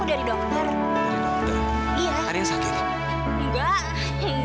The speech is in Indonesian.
sampai jumpa di video selanjutnya